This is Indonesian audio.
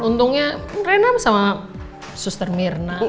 untungnya renam sama suster mirna